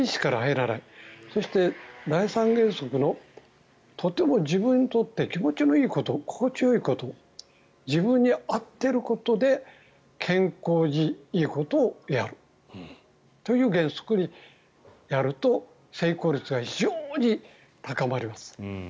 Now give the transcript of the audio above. そして、第３原則のとても自分にとって気持ちのいいこと、心地よいこと自分に合っていることで健康にいいことをやるという原則でやると成功率が非常に高まります。